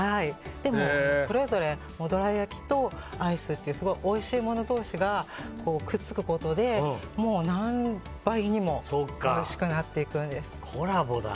それぞれどら焼きとアイスというおいしいもの同士がくっつくことで何倍もおいしくなっていくんです。